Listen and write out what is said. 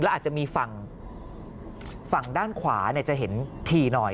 อาจจะมีฝั่งด้านขวาจะเห็นถี่หน่อย